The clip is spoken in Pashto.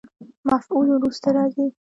مفعول وروسته راځي.